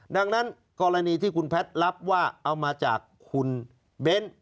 ดังนั้นกรณีที่คุณแพทย์รับว่าเอามาจากคุณเบ้น